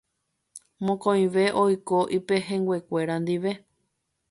Mokõive oiko ipehẽnguekuéra ndive